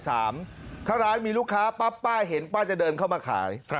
ถ้าร้านมีลูกค้าปั๊บป้าเห็นป้าจะเดินเข้ามาขาย